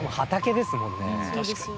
確かに。